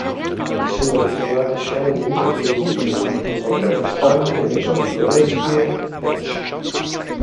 Vi sono raffigurate scene di vita degli indigeni: un corteo festante, episodi guerreschi, ecc.